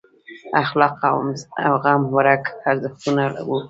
اخلاق او زغم ورک ارزښتونه وو.